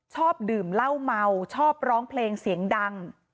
ชอบดื่มเหล้าเมาชอบร้องเพลงเสียงดัง